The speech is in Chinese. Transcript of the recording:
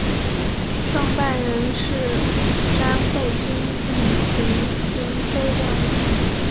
创办人是詹慧君与林庭妃两人。